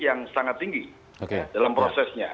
yang sangat tinggi dalam prosesnya